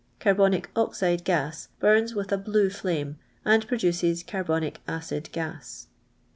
Carbonic oxide gas burns with a blue flame, and produces citrbonic acid g:is.